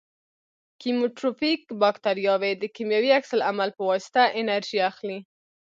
کیموټروفیک باکتریاوې د کیمیاوي عکس العمل په واسطه انرژي اخلي.